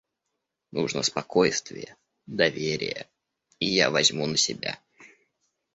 Нужно спокойствие, доверие, и я возьму на себя.